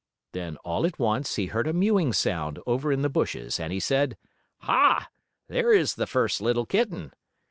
Then, all at once, he heard a mewing sound over in the bushes, and he said: "Ha! There is the first little kitten!"